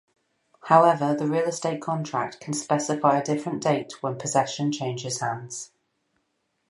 However, the real estate contract can specify a different date when possession changes hands.